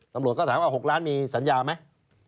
ตำรวจก็ถามว่า๖ล้านมีสัญญาไหม